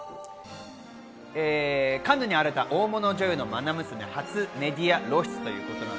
カンヌに現れた大物女優のまな娘、初メディア露出です。